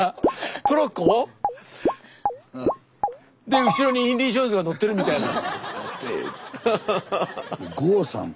で後ろにインディ・ジョーンズが乗ってるみたいな。